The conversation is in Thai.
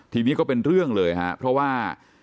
ทีนี้ก็เป็นเรื่องเลยครับเพราะว่า